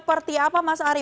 seperti apa mas ari